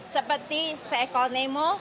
seperti seekol nemo